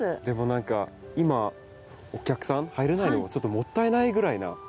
でも何か今お客さん入れないのがちょっともったいないぐらいな。